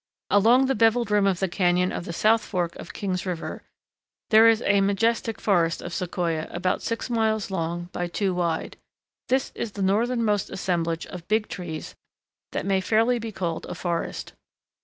Along the beveled rim of the cañon of the south fork of King's River there is a majestic forest of Sequoia about six miles long by two wide. This is the northernmost assemblage of Big Trees that may fairly be called a forest.